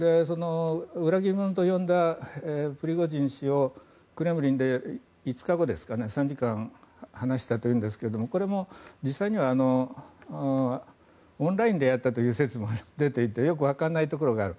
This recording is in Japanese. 裏切り者と呼んだプリゴジン氏をクレムリンで５日後３時間話したというんですがこれも実際には、オンラインでやったという説も出ていてよくわからないところがある。